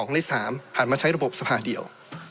ใน๓ผ่านมาใช้ระบบสภาเดียว